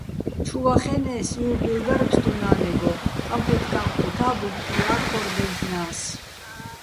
ჩუ ვახენე́ს, იუბილ დარ ბსტუნა́ნეგო, კამფეტკა́ჼ ყუთა́ ბუბკია́ ქორ დაჲლ'ნა́ს.